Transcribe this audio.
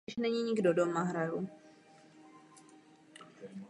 Vystudoval Yale College a Yale Medical School.